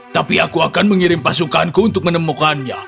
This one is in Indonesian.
tapi aku akan mengirim pasukanku untuk menemukannya